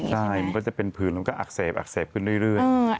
ใช่มันก็จะเป็นผื่นมันก็อักเสบอักเสบขึ้นเรื่อย